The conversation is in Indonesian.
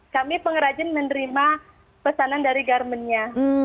kami pengerajin menerima pesanan dari garment nya